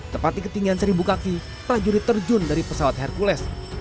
tepat di ketinggian seribu kaki prajurit terjun dari pesawat hercules